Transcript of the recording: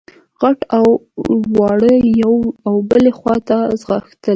غټ او واړه يوې او بلې خواته ځغاستل.